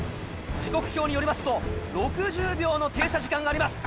時刻表によりますと６０秒の停車時間があります。